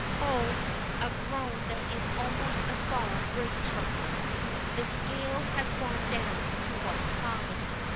Oh! A groan that is almost a sob breaks from her. The scale has gone down to one side.